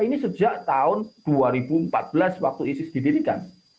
ini sejak tahun dua ribu empat belas waktu isis didirikan